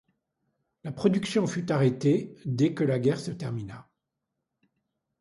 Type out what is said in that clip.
La production fut arrêtée dès que la guerre se termina.